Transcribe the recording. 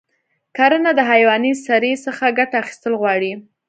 کرنه د حیواني سرې څخه ګټه اخیستل غواړي.